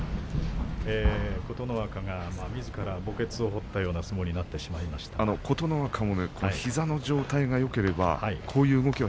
琴ノ若がみずから墓穴を掘ったような相撲に琴ノ若も膝の状態がよければこういう動きは